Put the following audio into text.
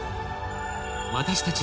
私たち